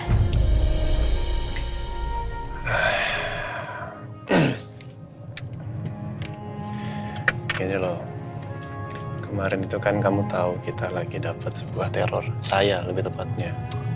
kayaknya loh kemarin itu kan kamu tahu kita lagi dapat sebuah teror saya lebih tepatnya